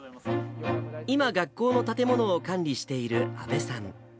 今、学校の建物を管理している阿部さん。